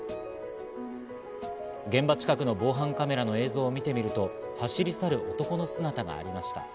現場近くの防犯カメラの映像を見てみると走り去る男の姿がありました。